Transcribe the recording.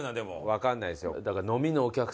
わかんないですよ。